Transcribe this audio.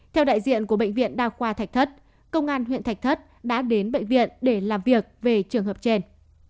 theo đại diện của bệnh viện đa khoa thạch thất công an huyện thạch thất đã đến bệnh viện để làm việc về trường hợp trên